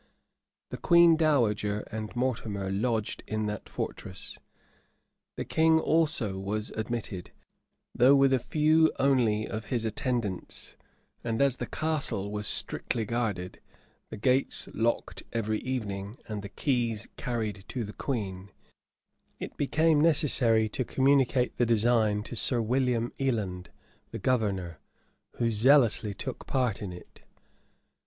The queen dowager and Mortimer lodged in that fortress: the king also was admitted, though with a few only of his attendants: and as the castle was strictly guarded, the gates locked every evening, and the keys carried to the queen, it became necessary to communicate the design to Sir William Eland, the governor, who zealously took part in it.